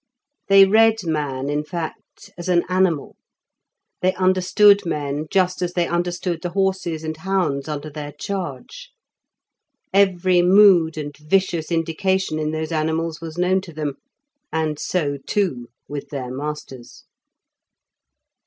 They read man, in fact, as an animal. They understood men just as they understood the horses and hounds under their charge. Every mood and vicious indication in those animals was known to them, and so, too, with their masters.